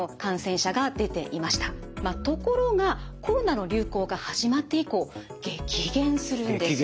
ところがコロナの流行が始まって以降激減するんです。